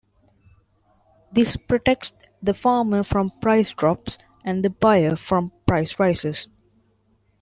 This protects the farmer from price drops and the buyer from price rises.